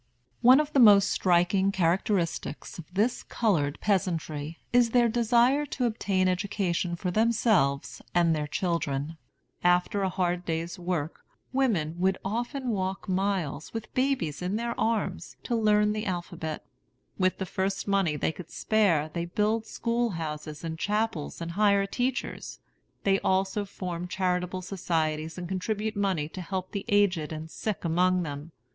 One of the most striking characteristics of this colored peasantry is their desire to obtain education for themselves and their children. After a hard day's work, women would often walk miles, with babies in their arms, to learn the alphabet. With the first money they can spare they build school houses and chapels and hire teachers. They also form charitable societies and contribute money to help the aged and sick among them.